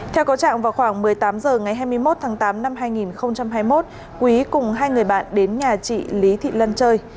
theo có trạng vào khoảng một mươi tám h ngày hai mươi một tháng tám năm hai nghìn hai mươi một quý cùng hai người bạn đến nhà chị lý thị lân chơi